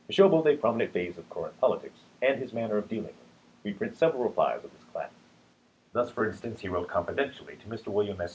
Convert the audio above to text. To show both a prominent phase of current politics and his manner of dealing with it, we print several replies of this class. Thus, for instance, he wrote, confidentially, to Mr. William S.